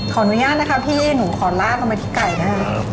ขออนุญาตนะคะพี่หนูขอลากลงไปที่ไก่นะคะ